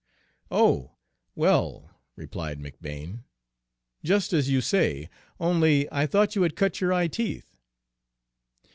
"Oh, well," replied McBane, "just as you say, only I thought you had cut your eye teeth."